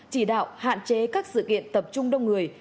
chỉ đạo hạn chế các sự kiện tập trung đông người